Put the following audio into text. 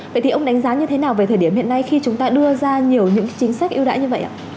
vậy thì ông đánh giá như thế nào về thời điểm hiện nay khi chúng ta đưa ra nhiều những chính sách ưu đãi như vậy ạ